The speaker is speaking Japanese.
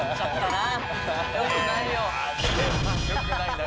よくないよ。